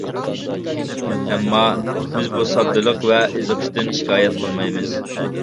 ئەمما بىز بۇ ساددىلىق ۋە ئېزىقىشتىن شىكايەت قىلمايمىز.